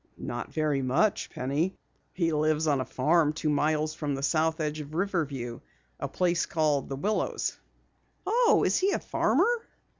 "Not very much, Penny. He lives on a farm two miles from the south edge of Riverview. A place called The Willows." "Oh, is he a farmer?"